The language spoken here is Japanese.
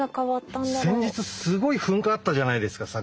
先日すごい噴火あったじゃないですか桜島。